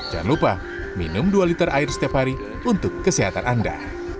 jangan lupa minum dua liter air setiap hari untuk kesehatan anda